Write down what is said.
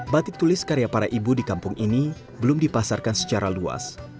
batik tulis karya para ibu di kampung ini belum dipasarkan secara luas